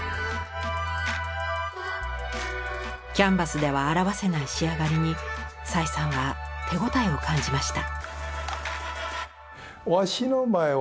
キャンバスでは表せない仕上がりに蔡さんは手応えを感じました。